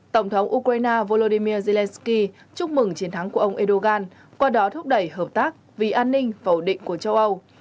tổng thống ukraine volodymyr zelensky chúc mừng chiến thắng của ông erdogan qua đó thúc đẩy hợp tác vì an ninh và ổn định của châu âu